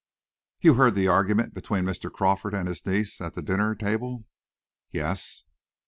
"You heard the argument between Mr. Crawford and his niece at the dinner table?" "Yes."